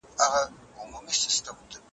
ولي د تولیدي وسایلو نشتون د صنعت پرمختګ ورو کوي؟